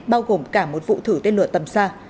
bao gồm cả một vụ thử tên lửa tầm xa